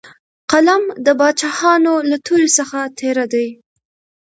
قلم د باچاهانو له تورې څخه تېره دی.